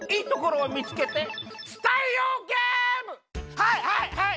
はいはいはい！